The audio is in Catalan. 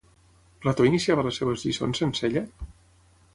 Plató iniciava les seves lliçons sense ella?